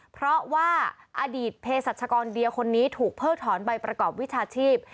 เพราะว่าอดีตเพศรัชกรเดียคนนี้ถูกเพิกถอนใบประกอบวิชาชีพ